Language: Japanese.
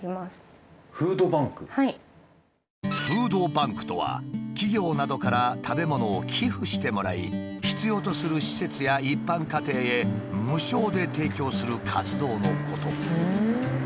フードバンクとは企業などから食べ物を寄付してもらい必要とする施設や一般家庭へ無償で提供する活動のこと。